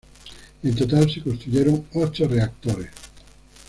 En total se construyeron ocho reactores.